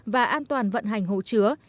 và an toàn vận hành hỗ trứa